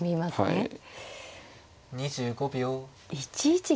はい。